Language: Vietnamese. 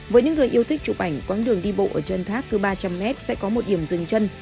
với những người yêu thích chụp ảnh quãng đường đi bộ ở chân thác cứ ba trăm linh m sẽ có một điểm dừng chân